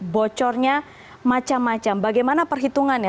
bocornya macam macam bagaimana perhitungannya